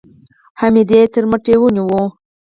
حميديې تر مټ ونيو.